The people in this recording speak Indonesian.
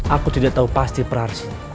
aku tidak tahu pasti pras